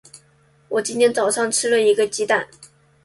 我今天早上吃了一个鸡蛋。